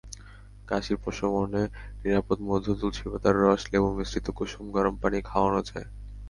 কাশি প্রশমনে নিরাপদ মধু, তুলসীপাতার রস, লেবুমিশ্রিত কুসুম গরম পানি খাওয়ানো যায়।